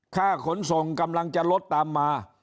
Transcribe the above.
ขนส่งกำลังจะลดตามมา